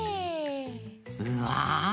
うわ！